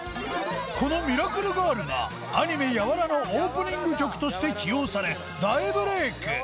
この『ミラクル・ガール』がアニメ『ＹＡＷＡＲＡ！』のオープニング曲として起用され大ブレイク。